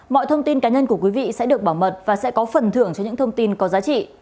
mọi thông tin cá nhân của quý vị sẽ được bảo mật và sẽ có phần thưởng cho những thông tin có giá trị